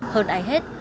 hơn ai hết